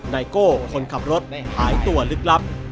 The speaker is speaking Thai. นายโก้คนขับรถหายตัวลึกลับ